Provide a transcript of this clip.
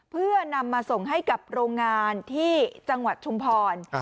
เพื่อนำมาส่งให้กับโรงงานที่จังหวัดชุมพร